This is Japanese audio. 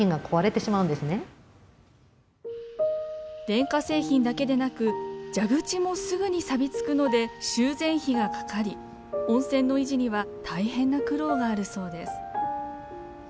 電化製品だけでなく蛇口もすぐにさび付くので修繕費がかかり温泉の維持には大変な苦労があるそうです。